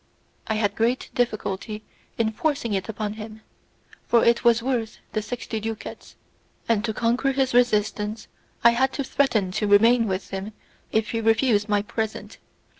I had great difficulty in forcing it upon him, for it was worth the sixty ducats, and to conquer his resistance I had to threaten to remain with him if he refused my present.